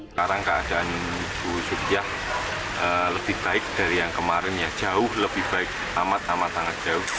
sekarang keadaan ibu sukiyah lebih baik dari yang kemarin ya jauh lebih baik amat amat sangat jauh